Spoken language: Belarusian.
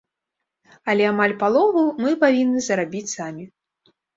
Але амаль палову мы павінны зарабіць самі.